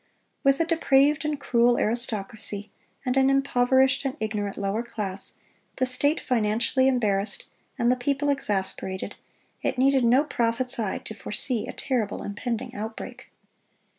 With a depraved and cruel aristocracy and an impoverished and ignorant lower class, the state financially embarrassed, and the people exasperated, it needed no prophet's eye to foresee a terrible impending outbreak.